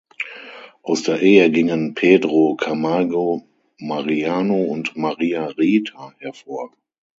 Aus der Ehe gingen Pedro Camargo Mariano und Maria Rita hervor.